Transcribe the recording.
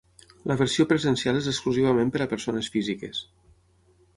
La versió presencial és exclusivament per a persones físiques.